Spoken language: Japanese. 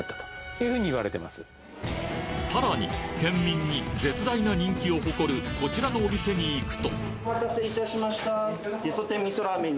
さらに県民に絶大な人気を誇るこちらのお店に行くとお待たせいたしました。